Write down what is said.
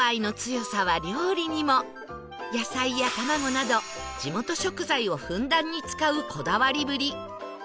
野菜や卵など地元食材をふんだんに使うこだわりぶり